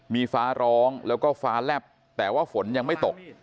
มีฟ้าร้องแล้วก็ฟ้าแลบแต่ว่าฝนยังไม่ตก